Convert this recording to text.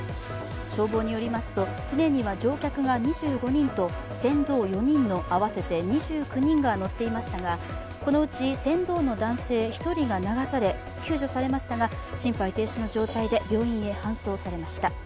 消防によりますと、舟には乗客が２５人と船頭４人の計２９人が乗っていましたがこのうち船頭の男性１人が流され、救助されましたが心肺停止の状態で病院へ搬送されました。